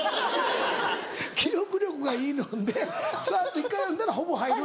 記憶力がいいのでサッて一回読んだらほぼ入る。